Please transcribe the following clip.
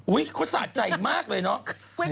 อุ้ยเขาสะใจมากเลยเนอะ